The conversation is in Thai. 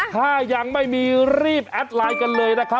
ถ้ายังไม่มีรีบแอดไลน์กันเลยนะครับ